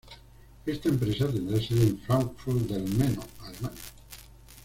Esta empresa tendrá sede en Fráncfort del Meno, Alemania.